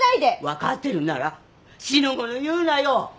分かってるなら四の五の言うなよ！